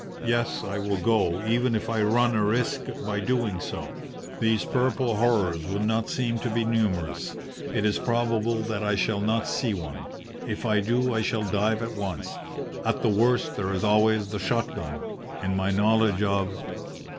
Yes, I will go, even if I run a risk by doing so. These purple horrors would not seem to be numerous. It is probable that I shall not see one. If I do I shall dive at once. At the worst there is always the shot gun and my knowledge of